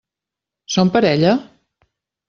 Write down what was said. Són parella?